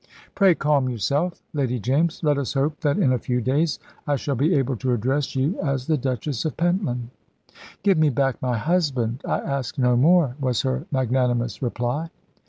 "Pray calm yourself, Lady James. Let us hope that in a few days I shall be able to address you as the Duchess of Pentland." "Give me back my husband I ask no more," was her magnanimous reply.